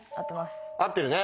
これ合ってるね？